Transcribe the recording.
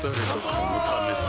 このためさ